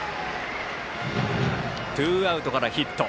ツーアウトからヒット。